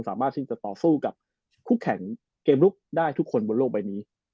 สามารถที่จะต่อสู้กับคู่แข่งเกมลุกได้ทุกคนบนโลกใบนี้